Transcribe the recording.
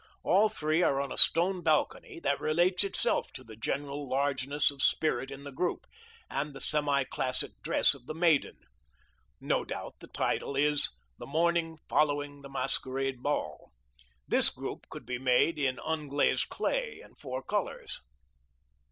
All three are on a stone balcony that relates itself to the general largeness of spirit in the group, and the semi classic dress of the maiden. No doubt the title is: The Morning Following the Masquerade Ball. This group could be made in unglazed clay, in four colors.